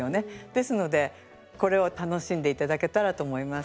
ですのでこれを楽しんで頂けたらと思います。